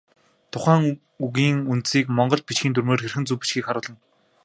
Тухайн үгийн үндсийг монгол бичгийн дүрмээр хэрхэн зөв бичихийг харуулна.